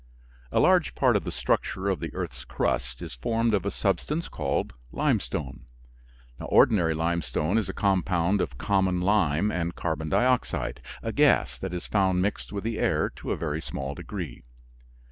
A large part of the structure of the earth's crust is formed of a substance called limestone. Ordinary limestone is a compound of common lime and carbon dioxide, a gas that is found mixed with the air to a very small degree.